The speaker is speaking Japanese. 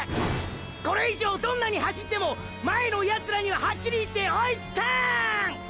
これ以上どんなに走っても前のヤツらにははっきり言って追いつかーん！！